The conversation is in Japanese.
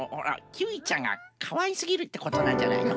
キーウィちゃんがかわいすぎるってことなんじゃないの。